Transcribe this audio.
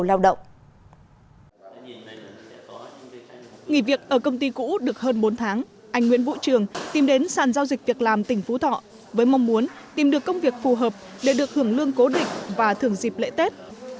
anh nguyễn vũ trường tìm đến sàn giao dịch việc làm tỉnh phú thọ với mong muốn tìm được công việc phù hợp để được hưởng lương cố định và thưởng dịp lễ tết